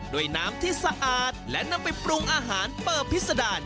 ด้วยน้ำที่สะอาดและนำไปปรุงอาหารเปิดพิษดาร